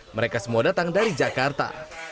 mereka semua datang dari jakarta